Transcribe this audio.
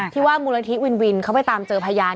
ที่ว่ามูลนิธิวินวินเขาไปตามเจอพยาน